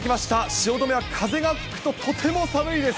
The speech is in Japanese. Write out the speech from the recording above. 汐留は風が吹くととても寒いです。